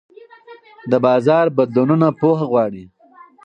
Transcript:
د بازار بدلونونه پوهه غواړي.